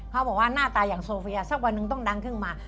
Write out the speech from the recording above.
เขาบอกว่าหน้าตาอย่างโซเฟียสักวันหนึ่งต้องดังขึ้นมา